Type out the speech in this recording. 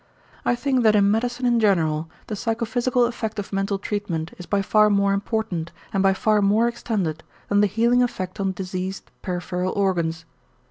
I think that in medicine in general the psychophysical effect of mental treatment is by far more important and by far more extended than the healing effect on diseased peripheral organs.